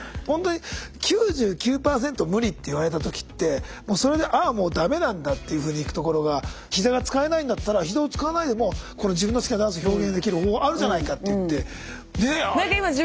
ほんとに「９９％無理」って言われた時ってもうそれで「ああもう駄目なんだ」っていうふうにいくところがひざが使えないんだったらひざを使わないでも自分の好きなダンスを表現できる方法あるじゃないかって言ってねえ。